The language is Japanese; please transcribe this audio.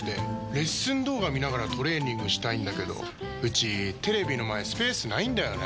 レッスン動画見ながらトレーニングしたいんだけどうちテレビの前スペースないんだよねー。